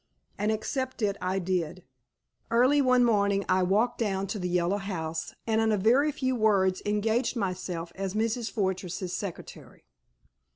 And accept it I did. Early one morning I walked down to the Yellow House, and in a very few words engaged myself as Mrs. Fortress's secretary.